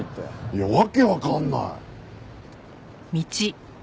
いや訳わかんない！